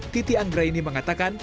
titi anggraini mengatakan